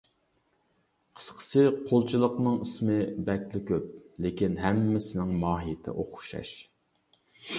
قىسقىسى، قۇلچىلىقنىڭ ئىسمى بەكلا كۆپ، لېكىن ھەممىسىنىڭ ماھىيىتى ئوخشاش.